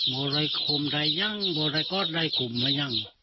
บ่อะไรคุมได้ยังบ่อะไรก็ได้คุมแล้วยัง